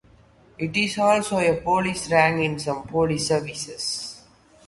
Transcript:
It is also a police rank in some police services.